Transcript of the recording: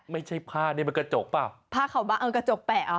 ไม่ใช่ผ้านี่มันกระจกป่ะผ้าข่าวบังเออกระจกแปะอ่ะ